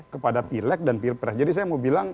kepada pilek dan pilpres jadi saya mau bilang